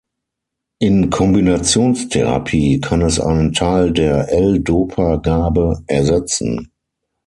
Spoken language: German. In Kombinationstherapie kann es einen Teil der L-Dopa-Gabe ersetzen.